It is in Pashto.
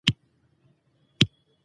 غاړه یې تازه کړه.